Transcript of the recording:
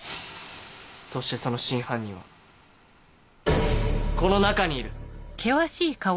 そしてその真犯人はこの中にいる。